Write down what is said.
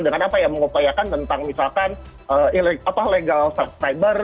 dengan apa ya mengupayakan tentang misalkan legal subscriber